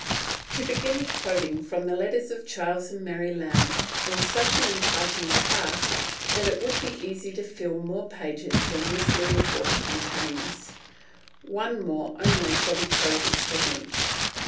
To begin quoting from the letters of Charles and Mary Lamb is such an enticing task that it would be easy to fill more pages than this little book contains. One more only shall be quoted from each.